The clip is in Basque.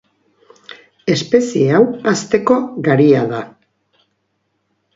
Espezie hau hazteko garia da.